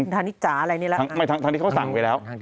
ทางที่เขาสั่งไปแล้ว